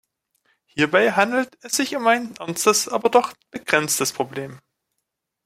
Hierbei handelt es sich um ein ernstes, aber doch begrenztes Problem.